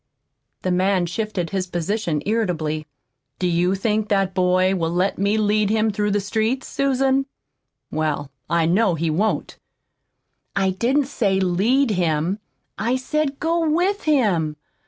The man shifted his position irritably. "Do you think that boy will let me lead him through the streets, Susan? Well, I know he won't." "I didn't say 'lead him.' I said go WITH him.